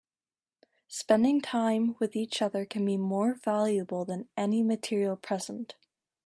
Spending time with each other can be more valuable than any material present.